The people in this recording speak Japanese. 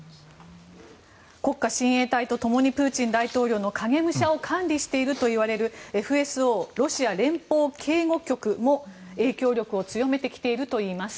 国家親衛隊とともにプーチン大統領の影武者を管理しているといわれるＦＳＯ・ロシア連邦警護局も影響力を強めてきているといいます。